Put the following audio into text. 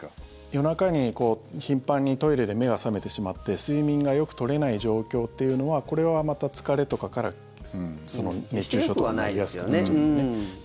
夜中に頻繁にトイレで目が覚めてしまって睡眠がよく取れない状況っていうのはこれはまた疲れとかから熱中症とかになりやすくなっちゃう。